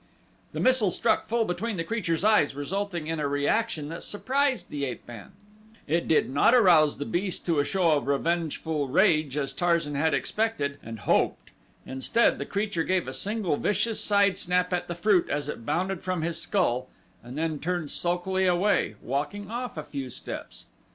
The missile struck full between the creature's eyes, resulting in a reaction that surprised the ape man; it did not arouse the beast to a show of revengeful rage as Tarzan had expected and hoped; instead the creature gave a single vicious side snap at the fruit as it bounded from his skull and then turned sulkily away, walking off a few steps.